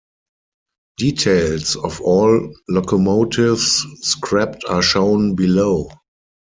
Details of all locomotives scrapped are shown below.